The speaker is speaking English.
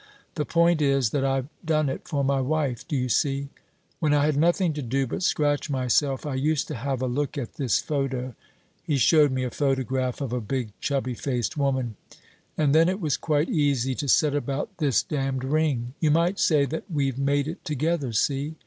The point is that I've done it for my wife, d'you see? When I had nothing to do but scratch myself, I used to have a look at this photo" he showed me a photograph of a big, chubby faced woman "and then it was quite easy to set about this damned ring. You might say that we've made it together, see?